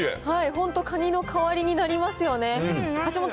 本当、カニの代わりになりますよね。